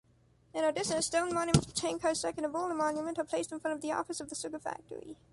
In addition, a stone monument of Chiang Kai-shek and a roller monument are placed in front of the office of the sugar factory .